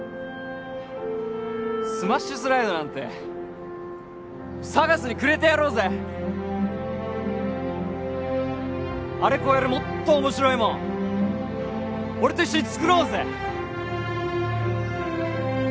スマッシュスライドなんてＳＡＧＡＳにくれてやろうぜあれ超えるもっと面白いもん俺と一緒に作ろうぜ！